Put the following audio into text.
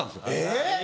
えっ！